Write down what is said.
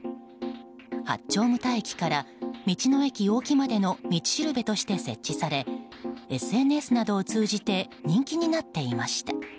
八丁牟田駅から道の駅おおきまでの道しるべとして設置されＳＮＳなどを通じて人気になっていました。